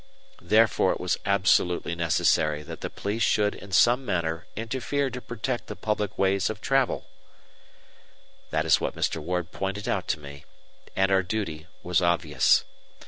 Therefore it was absolutely necessary that the police should in some manner interfere to protect the public ways of travel. That is what Mr. Ward pointed out to me; and our duty was obvious.